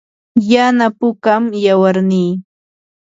yana pukam yawarnii.